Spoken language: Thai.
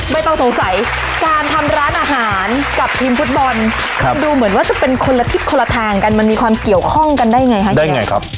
ไม่ต้องสงสัยการทำร้านอาหารกับทีมฟุตบอลดูเหมือนว่าจะเป็นคนละทิศคนละทางกันมันมีความเกี่ยวข้องกันได้ไงคะได้ยังไงครับ